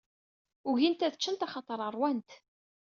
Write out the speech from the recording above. Ugint ad ččent axaṭer rwant.